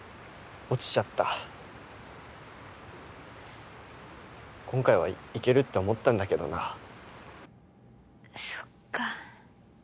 落ちちゃった今回はいけるって思ったんだけどなそっか